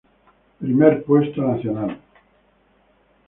Primer Puesto Nacional.